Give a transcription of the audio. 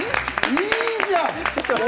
いいじゃん！